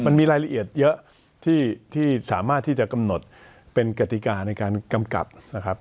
มันมีรายละเอียดเยอะที่สามารถที่จะกำหนดเป็นกติกาในการกำกับนะครับ